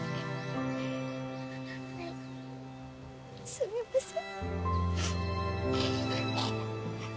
すみません。